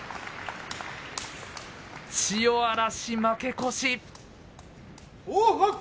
千代嵐、負け越し。